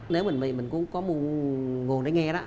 nếu mình có nguồn để nghe đó